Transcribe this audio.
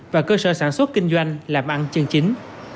và cơ sở sản xuất kinh doanh làm ăn chân chính